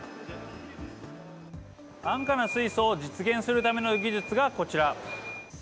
安価な水素を実現するための技術がこちら。